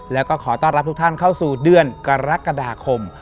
แล้วก็ขอต้อนรับทุกท่านเข้าสู่เดือนกรกฎาคม